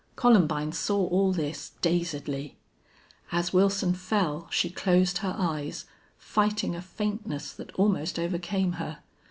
Columbine saw all this dazedly. As Wilson fell she closed her eyes, fighting a faintness that almost overcame her.